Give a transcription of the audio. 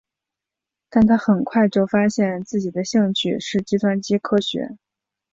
但他很快就发现自己的兴趣是计算机科学。